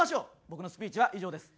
僕のスピーチは以上です。